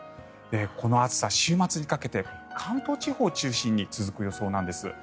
この暑さ、週末にかけて関東地方を中心に続く予想なんです。